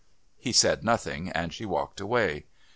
He said nothing and she walked away.